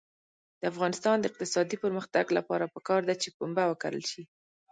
د افغانستان د اقتصادي پرمختګ لپاره پکار ده چې پنبه وکرل شي.